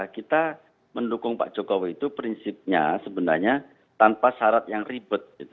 kita mendukung pak jokowi itu prinsipnya sebenarnya tanpa syarat yang ribet